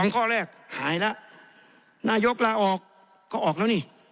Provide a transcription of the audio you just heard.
ข้อแรกหายแล้วนายกลาออกก็ออกแล้วนี่